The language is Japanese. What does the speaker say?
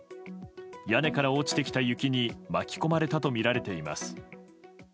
屋根から落ちてきた雪に巻き込まれたとみられています。